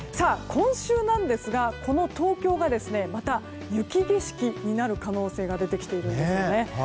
今週ですがこの東京がまた雪景色になる可能性が出てきているんです。